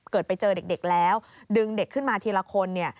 ไปเจอเด็กแล้วดึงเด็กขึ้นมาทีละคนเนี่ย